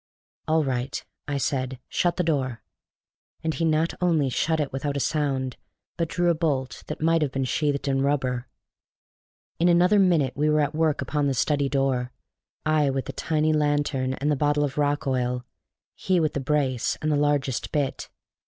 "All right," I said. "Shut the door." And he not only shut it without a sound, but drew a bolt that might have been sheathed in rubber. In another minute we were at work upon the study door, I with the tiny lantern and the bottle of rock oil, he with the brace and the largest bit.